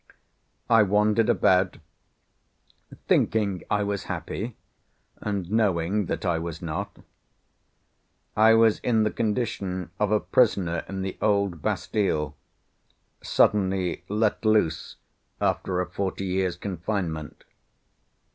I wandered about, thinking I was happy, and knowing that I was not. I was in the condition of a prisoner in the old Bastile, suddenly let loose after a forty years' confinement.